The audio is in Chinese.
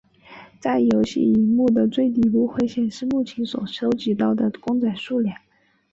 在游戏萤幕的最底部会显示目前所收集到的公仔数量。